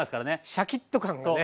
シャキッと感がね。